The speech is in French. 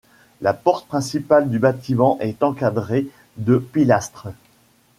La porte principale du bâtiment est encadré de pilastres.